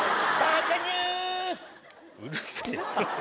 うるせえよ。